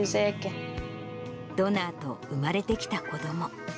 ドナーと生まれてきた子ども。